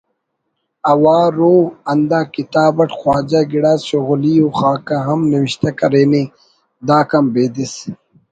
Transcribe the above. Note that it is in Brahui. اوار ءُ ہندا کتاب اٹ خواجہ گڑاس شغلی ءُ خاکہ ہم نوشتہ کرینے داکان بیدس